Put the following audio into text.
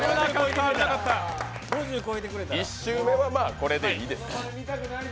１周目はこれでいいです。